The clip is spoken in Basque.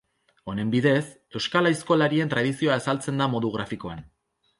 Honen bidez, euskal aizkolarien tradizioa azaltzen da modu grafikoan.